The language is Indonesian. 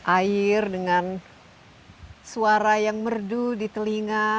air dengan suara yang merdu di telinga